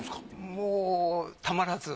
もうたまらず。